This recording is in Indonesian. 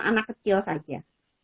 anak kecil saja